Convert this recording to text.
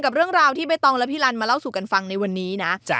กับเรื่องราวที่ใบตองและพี่ลันมาเล่าสู่กันฟังในวันนี้นะ